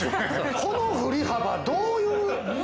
この振り幅、どういう。